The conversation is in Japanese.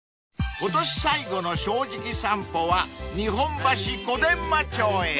［今年最後の『正直さんぽ』は日本橋小伝馬町へ］